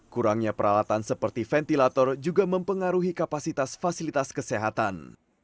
kurangnya peralatan seperti ventilator juga mempengaruhi kapasitas fasilitas kesehatan